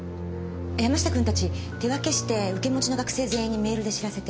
山下君たち手分けして受け持ちの学生全員にメールで知らせて。